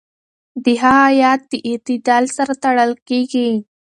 د هغه ياد د اعتدال سره تړل کېږي.